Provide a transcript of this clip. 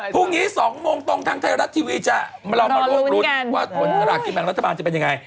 พรุ่งนี้๒โมงตรงทางไทยรัฐทีวีจะเรามาร่วมรุ้นว่าผลสลากกินแบ่งรัฐบาลจะเป็นยังไง